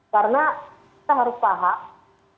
karena kita harus paham